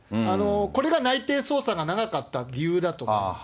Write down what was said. これが内偵捜査が長かった理由だと思います。